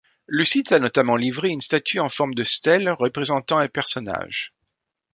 Le site a notamment livré une statue en forme de stèle représentant un personnage.